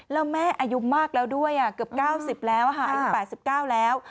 แล้วแม่อายุมากแล้วด้วยเกือบ๙๐แล้วอายุ๘๙แล้ว